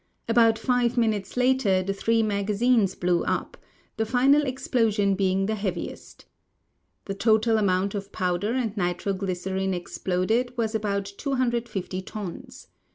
About five minutes later the three magazines blew up, the final ex])losion being the heaviest. The total amount of powder and nitro glycerine ex ploded was about 250 tons.